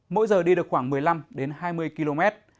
mỗi giờ đi được khoảng một mươi năm đến hai mươi km